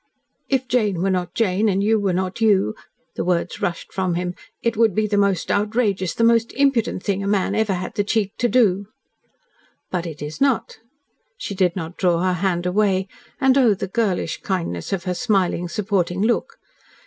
"If Jane were not Jane, and you were not YOU," the words rushed from him, "it would be the most outrageous the most impudent thing a man ever had the cheek to do." "But it is not." She did not draw her hand away, and oh, the girlish kindness of her smiling, supporting look.